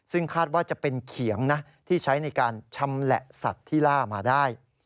ซึ่งคาดว่าจะเป็นเขียงนะที่ใช้ในการชำแหละสัตว์ที่ล่ามาได้